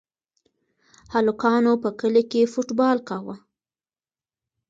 هلکانو په کلي کې فوټبال کاوه.